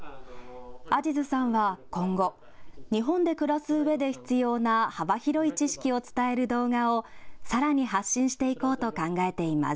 アジズさんは今後、日本で暮らすうえで必要な幅広い知識を伝える動画をさらに発信していこうと考えています。